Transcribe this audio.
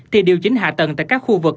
thì điều chỉnh hạ tầng tại các khu vực